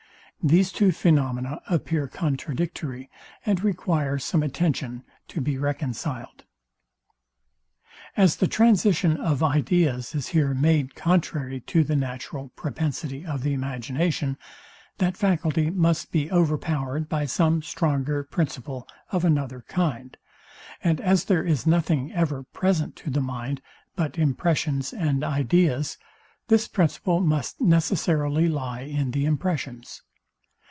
These two phaenomena appear contradictory, and require some attention to be reconciled. As the transition of ideas is here made contrary to the natural propensity of the imagination, that faculty must be overpowered by some stronger principle of another kind; and as there is nothing ever present to the mind but impressions and ideas, this principle must necessarily lie in the impressions.